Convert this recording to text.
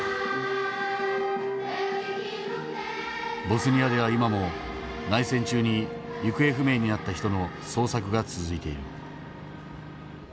ボスニアでは今も内戦中に行方不明になった人の捜索が続いている。